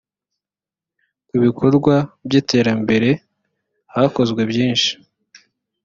ku bikorwa by ‘iterambere hakozwe byishi.